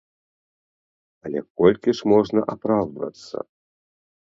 Але колькі ж можна апраўдвацца?